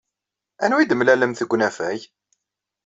Anwa ay d-temlalemt deg unafag?